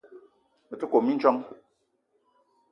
Me te kome mindjong.